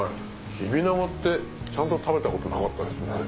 キビナゴってちゃんと食べたことなかったですね。